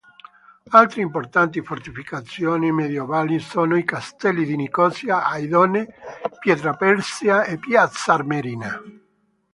Altre importanti fortificazioni medioevali sono i castelli di Nicosia, Aidone, Pietraperzia e Piazza Armerina.